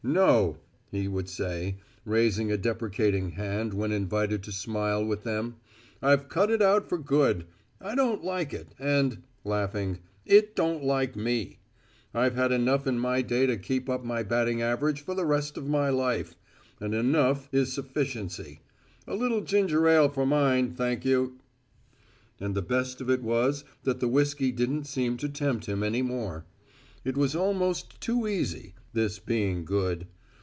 "No," he would say, raising a deprecating hand when invited to smile with them, "I've cut it out for good. I don't like it, and," laughing, "it don't like me. I've had enough in my day to keep up my batting average for the rest of my life, and enough is sufficiency. A little ginger ale for mine, thank you." And the best of it was that the whiskey didn't seem to tempt him any more. It was almost too easy, this being good.